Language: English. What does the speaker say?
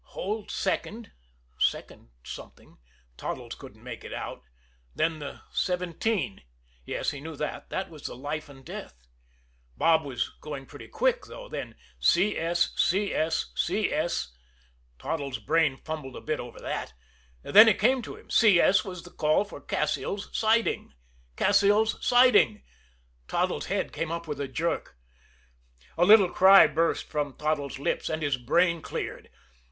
"Hold second" second something Toddles couldn't make it out. Then the "seventeen" yes, he knew that that was the life and death. Bob was going pretty quick, though. Then "CS CS CS" Toddles' brain fumbled a bit over that then it came to him. CS was the call for Cassil's Siding. Cassil's Siding! Toddles' head came up with a jerk. A little cry burst from Toddles' lips and his brain, cleared.